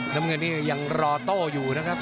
ตะเมืองนี่ยังรอโต้อยู่นะครับ